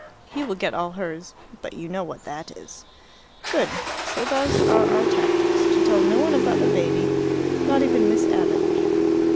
"He will get all hers. But you know what that is." "Good. So those are our tactics to tell no one about the baby, not even Miss Abbott."